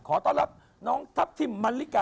ขอต้อนรับน้องทัพทิมมันลิกา